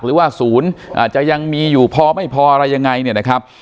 หรือว่าศูนย์อาจจะยังมีอยู่พอไม่พออะไรยังไงเนี่ยนะครับ